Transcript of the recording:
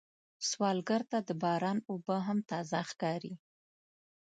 سوالګر ته د باران اوبه هم تازه ښکاري